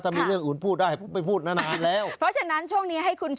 ถ้ามีเรื่องอื่นพูดได้